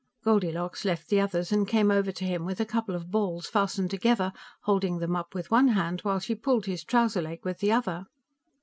Goldilocks left the others and came over to him with a couple of balls fastened together, holding them up with one hand while she pulled his trouser leg with the other.